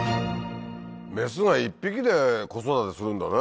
メスが１匹で子育てするんだね。